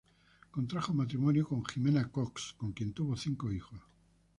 Contrajo matrimonio con Ximena Cox, con quien tuvo cinco hijos.